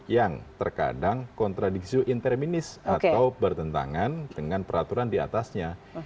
yang terkadang kontradiksi inter minis atau bertentangan dengan peraturan di atasnya